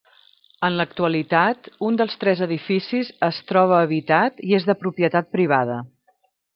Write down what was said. En l'actualitat, un dels tres edificis es troba habitat i és de propietat privada.